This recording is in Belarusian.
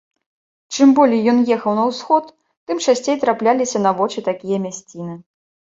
Чым болей ён ехаў на ўсход, тым часцей трапляліся на вочы такія мясціны.